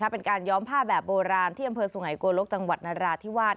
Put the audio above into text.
เป็นการย้อมผ้าแบบโบราณที่อำเภอสุไงโกลกจังหวัดนราธิวาส